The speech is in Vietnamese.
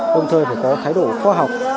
hồng thời phải có thái độ khoa học